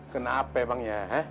kenapa emang ya